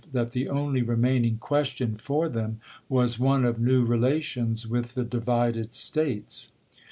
that the only remaining question for them was one of new relations with the divided States.